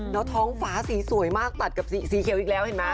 แล้วท้องฟ้าสีสวยมากตัดกับสีเขียวอีกแล้วเห็นไหม